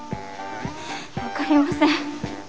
分かりません。